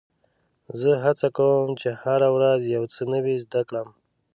زه هڅه کوم، چي هره ورځ یو څه نوی زده کړم.